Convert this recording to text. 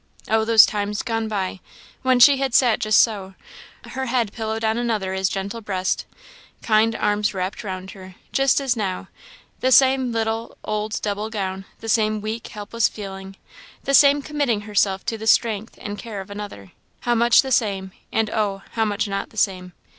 Oh, those times gone by! when she had sat just so; her head pillowed on another as gentle breast; kind arms wrapped round her, just as now; the same little, old double gown; the same weak, helpless feeling; the same committing herself to the strength and care of another; how much the same, and, oh! how much not the same!